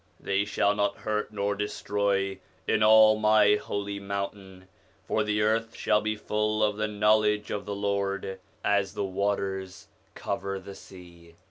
They shall not hurt nor destroy in all My holy mountain : for the earth shall be full of the knowledge of the Lord, as the waters cover the sea.'